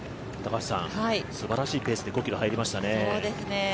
すばらしいペースで５ｋｍに入りましたね。